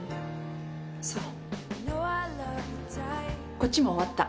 こっちも終わった。